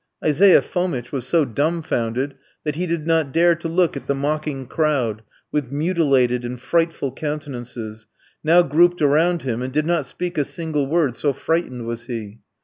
Isaiah Fomitch was so dumbfounded that he did not dare to look at the mocking crowd, with mutilated and frightful countenances, now grouped around him, and did not speak a single word, so frightened was he.